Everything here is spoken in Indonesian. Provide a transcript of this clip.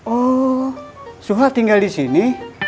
oh suha tinggal disini